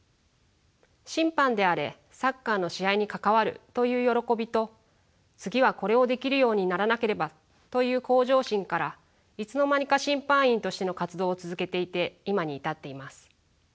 審判であれサッカーの試合に関わるという喜びと次はこれをできるようにならなければという向上心からいつの間にか審判員としての活動を続けていて今に至っています。